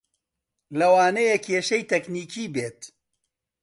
لەوانەیە کێشەی تەکنیکی بێت